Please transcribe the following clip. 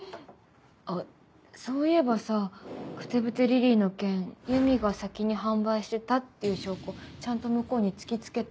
あっそういえばさ「ふてぶてリリイ」の件ゆみが先に販売してたっていう証拠ちゃんと向こうに突き付けた？